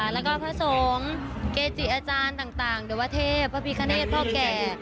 แล้วก็พระสงฆ์เกจิอาจารย์ต่างเดี๋ยววัฒน์เทพพระพิกาเนตพ่อแก่